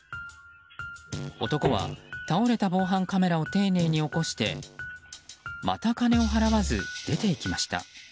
男は、倒れた防犯カメラを丁寧に起こしてまた金を払わず出て行きました。